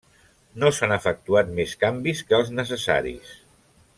No s'han efectuat més canvis que els necessaris.